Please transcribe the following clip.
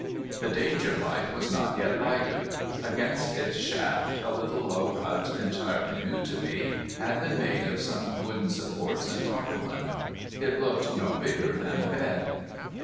The Danger light was not yet lighted. Against its shaft, a little low hut, entirely new to me, had been made of some wooden supports and tarpaulin. It looked no bigger than a bed.